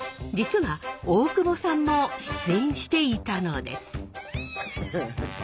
実は大久保さんも出演していたのです。